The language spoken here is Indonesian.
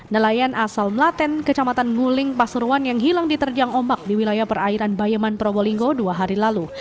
nelayan asal melaten kecamatan nguling pasuruan yang hilang diterjang ombak di wilayah perairan bayaman probolinggo dua hari lalu